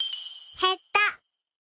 へった。